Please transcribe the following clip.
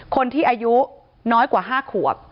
คนที่อายุน้อยกว่า๕ขวบ